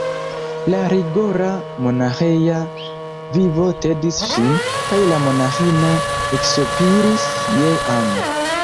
La rigora monaĥeja vivo tedis ŝin, kaj la monaĥino eksopiris je amo.